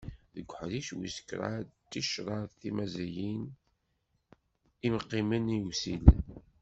Deg uḥric wis kraḍ d ticraḍ timazzayin: imqimen iwsilen.